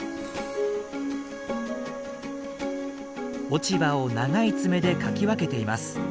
落ち葉を長い爪でかき分けています。